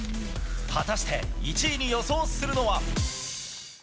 果たして１位に予想するのは。